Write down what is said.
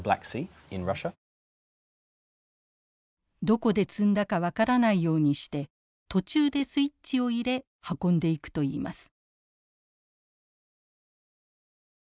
どこで積んだか分からないようにして途中でスイッチを入れ運んでいくといいます。